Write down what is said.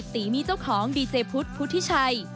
ตีมีเจ้าของดีเจพุทธพุทธิชัย